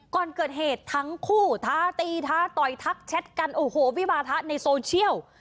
ก่อนเกิดเหตุทั้งคู่ท้าตีท้าต่อยทักแชทกันโอ้โหวิวาทะในโซเชียล